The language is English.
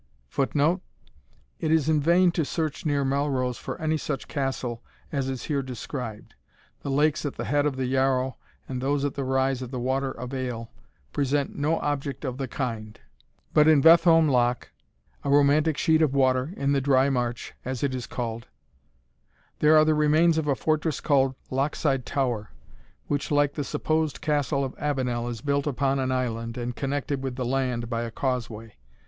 [Footnote: It is in vain to search near Melrose for any such castle as is here described. The lakes at the head of the Yarrow, and those at the rise of the water of Ale, present no object of the kind. But in Vetholm Loch, (a romantic sheet of water, in the dry march, as it is called,) there are the remains of a fortress called Lochside Tower, which, like the supposed Castle of Avenel, is built upon an island, and connected with the land by a causeway.